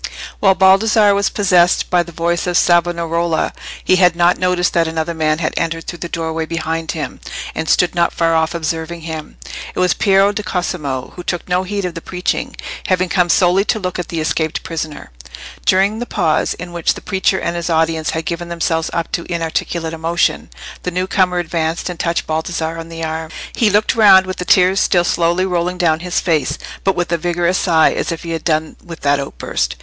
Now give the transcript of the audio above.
While Baldassarre was possessed by the voice of Savonarola, he had not noticed that another man had entered through the doorway behind him, and stood not far off observing him. It was Piero di Cosimo, who took no heed of the preaching, having come solely to look at the escaped prisoner. During the pause, in which the preacher and his audience had given themselves up to inarticulate emotion, the new comer advanced and touched Baldassarre on the arm. He looked round with the tears still slowly rolling down his face, but with a vigorous sigh, as if he had done with that outburst.